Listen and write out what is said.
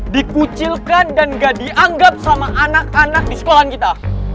dikucilkan dan gak dianggap sama anak anak di sekolahan kita